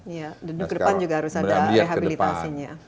iya duduk ke depan juga harus ada rehabilitasinya